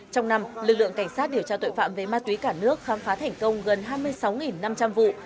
trong năm lực lượng cảnh sát điều tra tội phạm về ma túy cả nước khám phá thành công gần hai mươi sáu năm trăm linh vụ